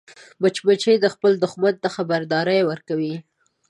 مچمچۍ خپل دښمن ته خبرداری ورکوي